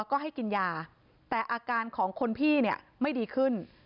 ก็ให้กินยาแต่อาการของคนพี่เนี่ยไม่ดีขึ้น